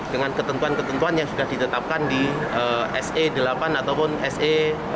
dengan ketentuan ketentuan yang sudah ditetapkan di se delapan ataupun se